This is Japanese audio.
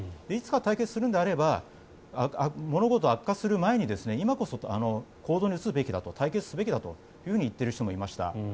いつか対決するのであれば物事が悪化する前に今こそ行動に移すべきだと対決に移すべきだと言っている人もいました。